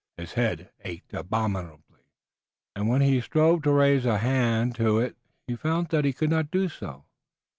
His head ached abominably, and when he strove to raise a hand to it he found that he could not do so.